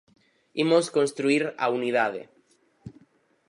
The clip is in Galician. "Imos construír a unidade".